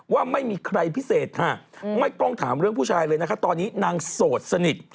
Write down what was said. ว่าไม่มีใครพิเศษค่ะไม่ต้องถามเรื่องผู้ชายเลยนะคะตอนนี้นางโสดสนิท